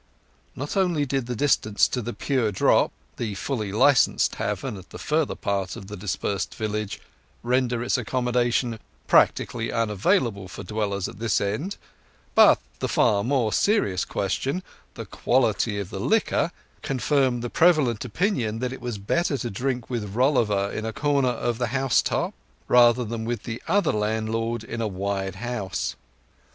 Not only did the distance to the The Pure Drop, the fully licensed tavern at the further part of the dispersed village, render its accommodation practically unavailable for dwellers at this end; but the far more serious question, the quality of the liquor, confirmed the prevalent opinion that it was better to drink with Rolliver in a corner of the housetop than with the other landlord in a wide house.